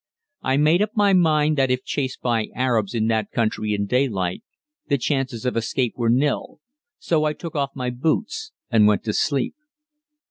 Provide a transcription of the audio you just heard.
I made up my mind that if chased by Arabs in that country in daylight the chances of escape were nil, so I took off my boots and went to sleep.